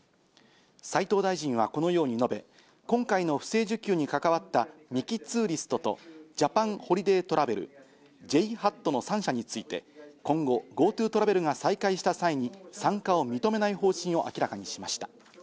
斉藤大臣はこのように述べ、今回の不正受給に関わったミキ・ツーリストとジャパンホリデートラベル、ＪＨＡＴの３社について、今後、ＧｏＴｏトラベルが再開した際に、参加を認めない方針を明らかにしました。